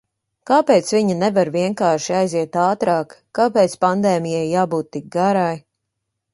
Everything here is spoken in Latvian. Kāpēc viņa nevar vienkārši aiziet ātrāk? Kāpēc pandēmijai jābūt tik garai?